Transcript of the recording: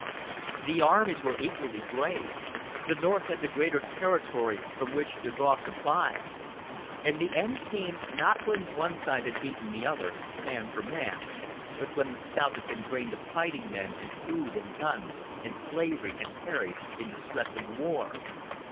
The armies were equally brave; the North had the greater territory from which to draw supplies; and the end came, not when one side had beaten the other, man for man, but when the South had been drained of fighting men and food and guns, and slavery had perished in the stress of war.